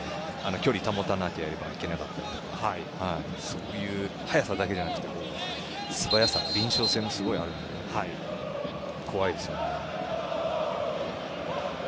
距離を保たなければいけなかったりとか速さだけじゃなくて素早さ、敏捷性もあるので怖いですよね。